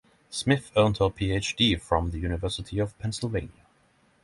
Smith earned her Ph.D. from the University of Pennsylvania.